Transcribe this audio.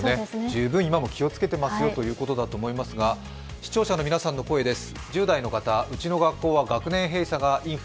十分今も気をつけてますよということだと思いますが視聴者の皆さんの声です。